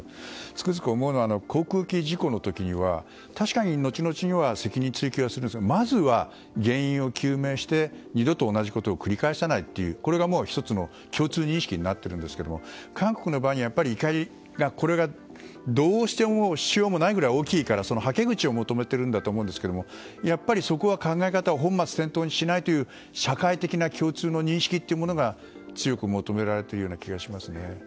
つくづく思うのは航空機事故の時には確かに後々には責任追及はするんですけどまずは原因を究明して二度と同じことを繰り返さないことこれが１つの共通認識になっていますが韓国の場合には怒りがどうしようもないぐらい大きいから、そのはけ口を求めていると思うんですがやっぱりそこは考え方を本末転倒にしないという社会的な共通の認識というものが強く求められている気がしますね。